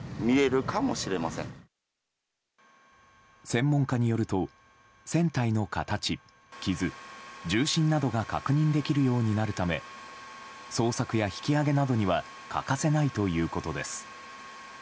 専門家によると船体の形、傷、重心などが確認できるようになるため捜索や引き揚げなどには欠かせないということです。